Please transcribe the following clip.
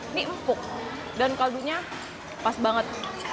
ini empuk dan kaldu nya pas banget